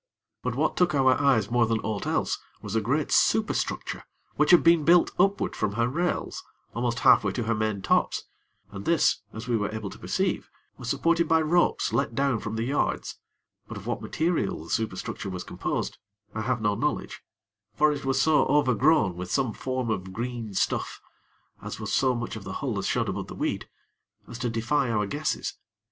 But what took our eyes more than aught else was a great superstructure which had been built upward from her rails, almost half way to her main tops, and this, as we were able to perceive, was supported by ropes let down from the yards; but of what material the superstructure was composed, I have no knowledge; for it was so over grown with some form of green stuff as was so much of the hull as showed above the weed as to defy our guesses.